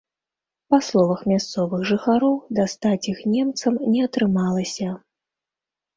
Па словах мясцовых жыхароў, дастаць іх немцам не атрымалася.